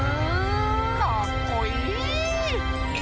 かっこいい！